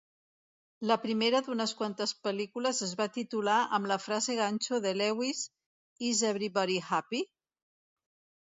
La primera d'unes quantes pel·lícules es va titular amb la frase ganxo de Lewis, Is Everybody Happy?